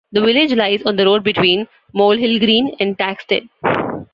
The village lies on the road between Molehill Green and Thaxted.